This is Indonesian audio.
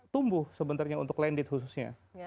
tumbuh sebenarnya untuk landed khususnya